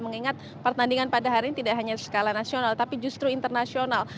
mengingat pertandingan pada hari ini tidak hanya skala nasional tapi justru internasional